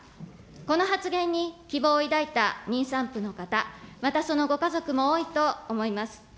この発言に希望を抱いた妊産婦の方、またそのご家族も多いと思います。